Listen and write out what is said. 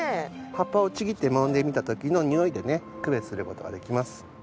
葉っぱをちぎってもんでみた時のにおいでね区別する事ができます。